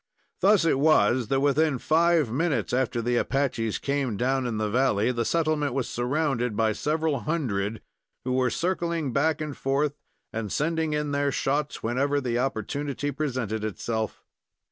Thus it was that within five minutes after the Apaches came down in the valley, the settlement was surrounded by the several hundred, who were circling back and forth, and sending in their shots, whenever the opportunity presented itself.